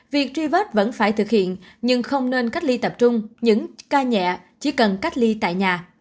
việc truy vết vẫn phải thực hiện nhưng không nên cách ly tập trung những ca nhẹ chỉ cần cách ly tại nhà